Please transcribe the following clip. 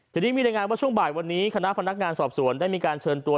ทีนี้มีรายงานว่าช่วงบ่ายวันนี้คณะพนักงานสอบสวนได้มีการเชิญตัว